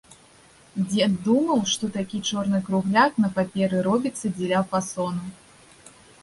Дзед думаў, што такі чорны кругляк на паперы робіцца дзеля фасону.